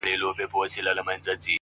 ستا څخه چي ياره روانـــــــــــېــږمه”